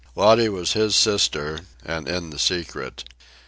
Lottie was his sister, and in the secret.